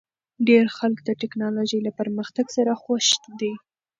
ډېر خلک د ټکنالوژۍ له پرمختګ سره خوښ دي.